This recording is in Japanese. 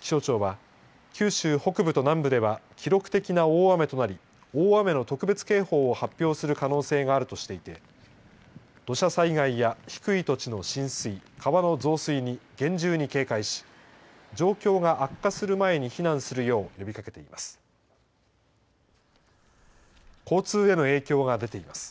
気象庁は九州北部と南部では記録的な大雨となり大雨の特別警報を発表する可能性があるとしていて土砂災害や低い土地の浸水川の増水に厳重に警戒し状況が悪化する前に避難するよう呼びかけています。